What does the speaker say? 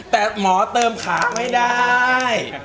แต่หมอเติมขาไม่ได้